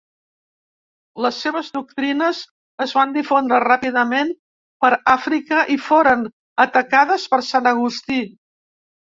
Les seves doctrines es van difondre ràpidament per Àfrica i foren atacades per Sant Agustí.